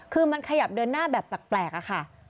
คือมันขยับเดินหน้าแบบแปลกอะค่ะ